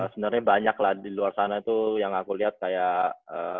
sebenernya banyak lah di luar sana tuh yang aku lihat kayak